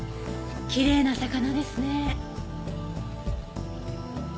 きれいな魚ですね。